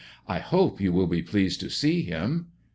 " I hope you will be pleased to see him."